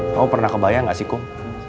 kamu pernah kebayang gak sih kong